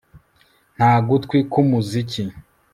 Nta gutwi kwumuziki